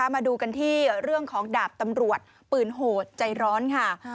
มาดูกันที่เรื่องของดาบตำรวจปืนโหดใจร้อนค่ะ